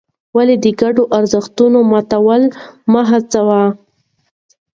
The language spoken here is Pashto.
ولې د ګډو ارزښتونو ماتول مه هڅوې؟